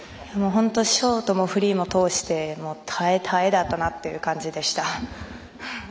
本当にショートもフリーも通して耐え耐えだったなという感じでした。